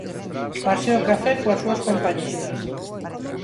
Paseo e café coas súas compañeiras.